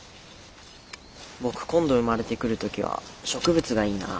僕今度生まれてくる時は植物がいいなあ。